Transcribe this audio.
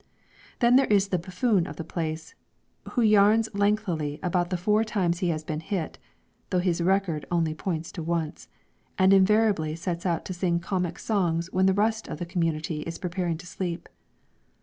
Then there is the "buffoon" of the place, who yarns lengthily about the four times he has been hit (though his record only points to once), and invariably sets out to sing comic songs when the rest of the community is preparing to sleep.